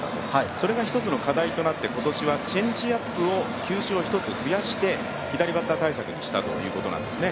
それが１つの課題となって、今年はチェンジアップ、１つ球種を増やして左バッター対策にしたということなんですね。